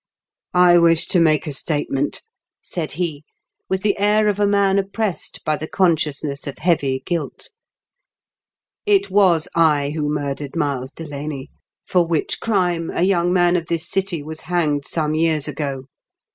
"I wish to make a statement," said he, with the air of a man oppressed by the con sciousness of heavy guilt. "It was I who murdered Miles Delaney, for which crime a young man of this city was hanged some years ago.